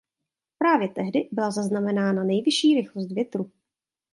Právě tehdy byla zaznamenána nejvyšší rychlost větru.